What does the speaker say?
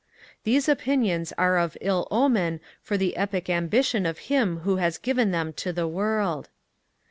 These opinions are of ill omen for the Epic ambition of him who has given them to the world.